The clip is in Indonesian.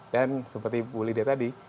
dan seperti bu lidia tadi